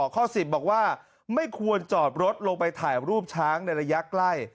ข้อ๑๐บอกว่าไม่ควรจอดรถลงไปถ่ายรูปช้างในระยะใกล้